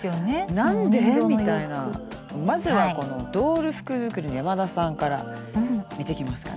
まずはこのドール服作りの山田さんから見ていきますかね。